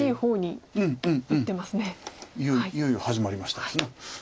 いよいよ始まりましたですな。